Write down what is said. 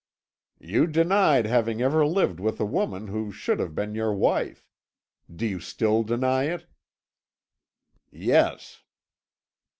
"You denied having ever lived with a woman who should have been your wife. Do you still deny it?" "Yes."